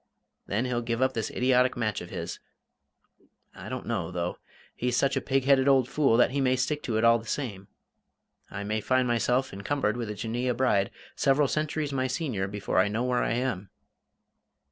Then he'll give up this idiotic match of his I don't know, though. He's such a pig headed old fool that he may stick to it all the same. I may find myself encumbered with a Jinneeyeh bride several centuries my senior before I know where I am.